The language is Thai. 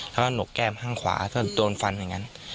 แล้วก็หนกแก้มข้างขวาย์โดนฟันเหอ่งกัน